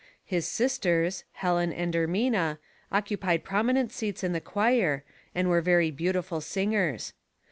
His sisters, Helen and Ermina, occupied promi nent seats in the choir, and v/ere very beautiful singers.